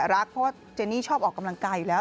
เพราะว่าเจนี่ชอบออกกำลังกายอยู่แล้ว